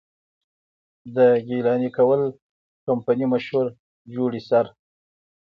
د ګيلاني کول کمپني مشهور جوړي سر،